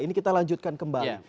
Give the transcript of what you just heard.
ini kita lanjutkan kembali